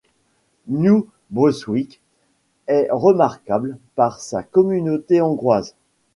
New Brunswick est remarquable par sa communauté hongroise.